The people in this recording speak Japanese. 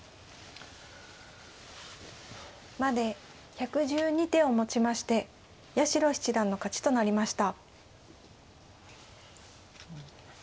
まで１１２手をもちまして八代七段の勝ちとなりました。